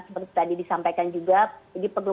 seperti tadi disampaikan juga jadi perlu